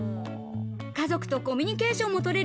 家族とコミュニケーションもとれ